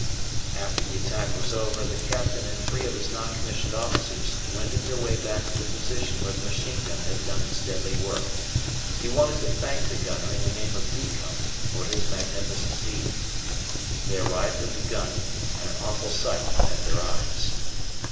After the attack was over, the Captain and three of his non commissioned officers, wended their way back to the position where the machine gun had done its deadly work. He wanted to thank the gunner in the name of "D" Company for his magnificent deed. They arrived at the gun, and an awful sight met their eyes.